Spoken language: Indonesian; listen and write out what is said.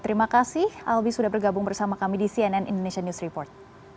terima kasih albi sudah bergabung bersama kami di cnn indonesia news report